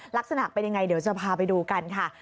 ลักษณะเป็นยังไงเดี๋ยวจะพาไปดูกันค่ะ